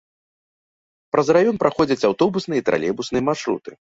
Праз раён праходзяць аўтобусныя і тралейбусныя маршруты.